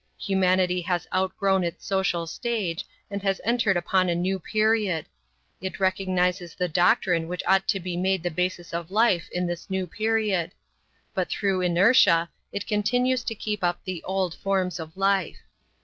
Humanity has outgrown its social stage and has entered upon a new period. It recognizes the doctrine which ought to be made the basis of life in this new period. But through inertia it continues to keep up the old forms of life.